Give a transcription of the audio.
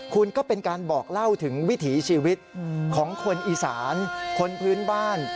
คุณก็เป็นการบอกเล่าถึงวิถีชีวิตของคนอีสานคนพื้นบ้าน